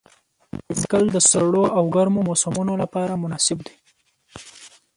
بایسکل د سړو او ګرمو موسمونو لپاره مناسب دی.